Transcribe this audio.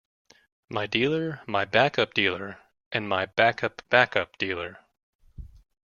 My dealer, my backup dealer and my backup-backup dealer.